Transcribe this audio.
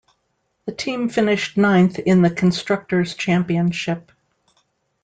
The team finished ninth in the Constructors' Championship.